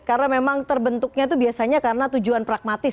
karena memang terbentuknya itu biasanya karena tujuan pragmatis